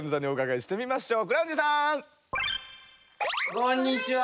こんにちは。